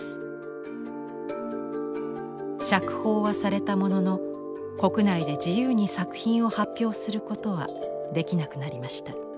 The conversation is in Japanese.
釈放はされたものの国内で自由に作品を発表することはできなくなりました。